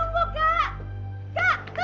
tunggu dong kak